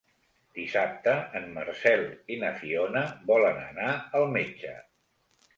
Dissabte en Marcel i na Fiona volen anar al metge.